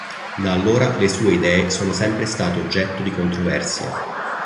Da allora le sue idee sono sempre state oggetto di controversie.